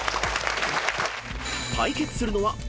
［対決するのは］